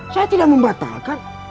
saya tidak membatalkan